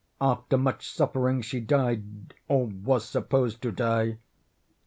After much suffering she died, or was supposed to die.